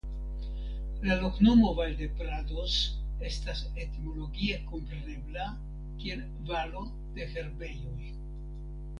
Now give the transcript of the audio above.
La loknomo "Valdeprados" estas etimologie komprenebla kiel Valo de Herbejoj.